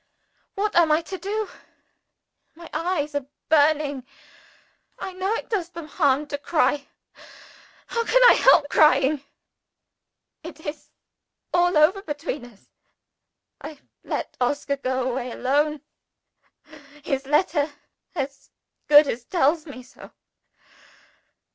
what am I to do? My eyes are burning. I know it does them harm to cry. How can I help crying? It is all over between us, if I let Oscar go away alone his letter as good as tells me so.